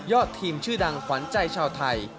ยอดทีมชื่อดังฝันใจชาวไทย